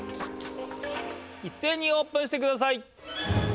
いっせいにオープンしてください！